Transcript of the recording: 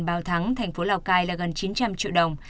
bảo thắng thành phố lào cai là gần chín trăm linh triệu đồng